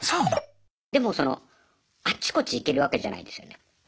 でもそのあっちこっち行けるわけじゃないですよね。